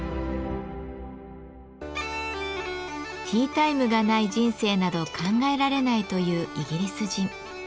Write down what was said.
ティータイムがない人生など考えられないというイギリス人。